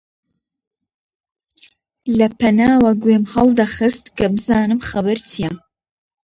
لەپەناوە گوێم هەڵدەخست کە بزانم خەبەر چییە؟